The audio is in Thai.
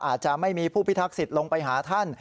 อาจจะไม่มีผู้พิทักษิตลงไปหาท่าน